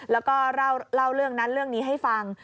แล้วก็เล่าเรื่องนั้นเรื่องนี้ให้ฟัง